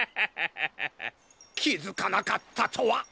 きづかなかったとは。